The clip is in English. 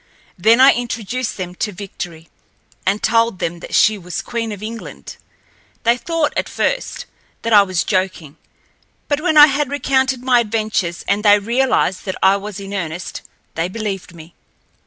Then I introduced them to Victory, and told them that she was queen of England. They thought, at first, that I was joking. But when I had recounted my adventures and they realized that I was in earnest, they believed me.